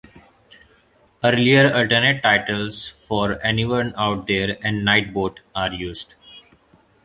Earlier alternate titles for "Anyone Out There" and "Night Boat" are used.